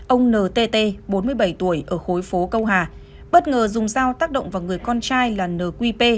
ông ntt bốn mươi bảy tuổi ở khối phố câu hà bất ngờ dùng dao tác động vào người con trai là nqp